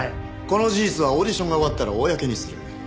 この事実はオーディションが終わったら公にする。